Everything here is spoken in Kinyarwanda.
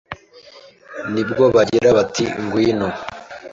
ni bwo bagira, bati: gwino